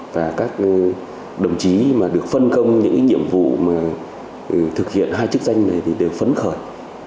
và các đồng chí mà được phân công những nhiệm vụ mà thực hiện hai chức danh này thì đều phấn khởi